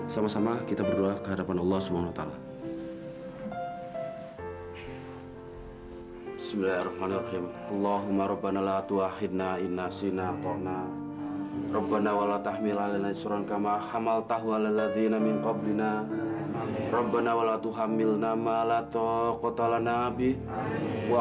sampai jumpa di video selanjutnya